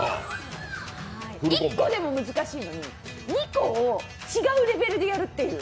１個でも難しいのに２個を違うレベルでやるっていう。